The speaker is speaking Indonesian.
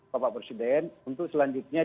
pak presiden untuk selanjutnya